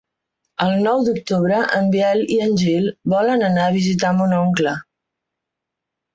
El nou d'octubre en Biel i en Gil volen anar a visitar mon oncle.